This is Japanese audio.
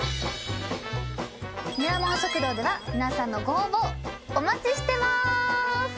ミラモン食堂では皆さんのご応募お待ちしてます！